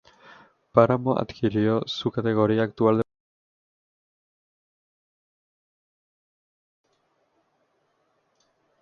Páramo adquirió su categoría actual de municipio.